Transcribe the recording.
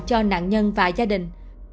cho nạn nhân và gia đình